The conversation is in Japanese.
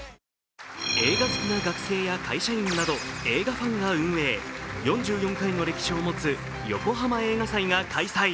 映画好きな学生や会社員など映画ファンが運営４４回の歴史を持つヨコハマ映画祭が開催。